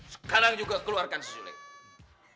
sekarang juga keluarkan suletnya